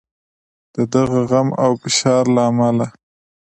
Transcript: د دغه غم او فشار له امله.